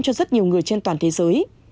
cho rất nhiều người trên toàn thế giới